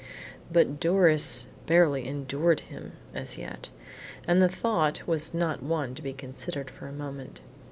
But Doris barely endured him as yet, and the thought was not one to be considered for a moment.